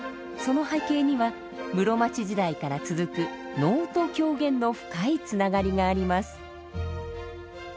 その背景には室町時代から続く能と狂言の深いつながりがあります。